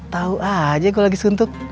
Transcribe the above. tahu aja gue lagi suntuk